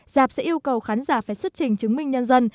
dạp sẽ yêu cầu khán giả phải xuất trình chứng minh nhân dân